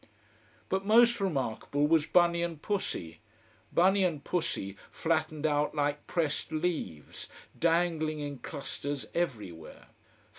But most remarkable was bunny and pussy. Bunny and pussy, flattened out like pressed leaves, dangling in clusters everywhere.